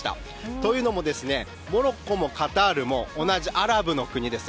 というのもモロッコもカタールも同じアラブの国です。